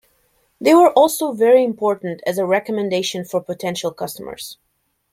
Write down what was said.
They were also very important as a recommendation for potential customers.